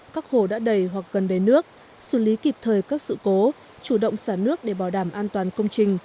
các hồ đã đầy hoặc gần đầy nước xử lý kịp thời các sự cố chủ động xả nước để bảo đảm an toàn công trình